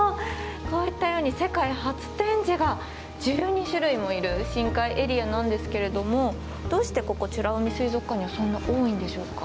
こういったように世界初展示が１２種類もいる深海エリアなんですけれどもどうしてここ美ら海水族館にはそんな多いんでしょうか？